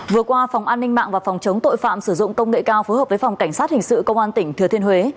vừa qua phòng an ninh mạng và phòng chống tội phạm sử dụng công nghệ cao phối hợp với phòng cảnh sát hình sự công an tỉnh thừa thiên huế